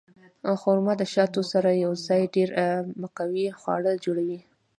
خرما د شاتو سره یوځای ډېر مقوي خواړه جوړوي.